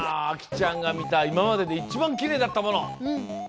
あきちゃんが見たいままででいちばんキレイだったモノ。